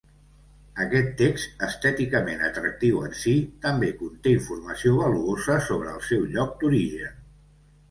Aquest text, estèticament atractiu en si, també conte informació valuosa sobre el seu lloc d'origen.